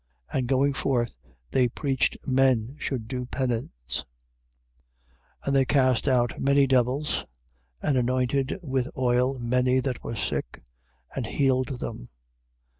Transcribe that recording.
6:12. And going forth they preached men should do penance: 6:13. And they cast out many devils, and anointed with oil many that were sick, and healed them.